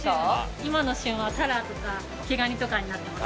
今の旬はタラとか毛ガニとかになってます。